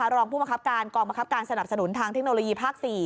รองผู้บังคับการกองบังคับการสนับสนุนทางเทคโนโลยีภาค๔